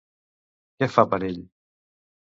Què fa per ell?